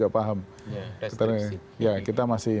paham kita masih